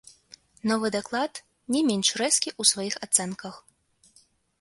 Новы даклад не менш рэзкі ў сваіх ацэнках.